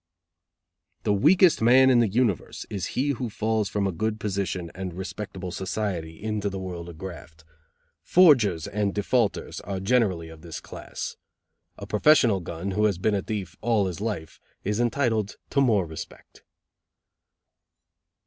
"The weakest man in the universe is he who falls from a good position and respectable society into the world of graft. Forgers and defaulters are generally of this class. A professional gun, who has been a thief all his life, is entitled to more respect."